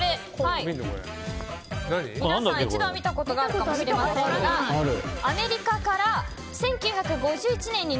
皆さん、一度は見たことがあるかもしれませんがアメリカから１９５１年に